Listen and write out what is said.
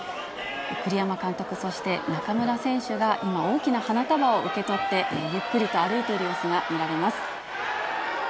栗山監督、そして中村選手が今、大きな花束を受け取って、ゆっくりと歩いている様子が見られます。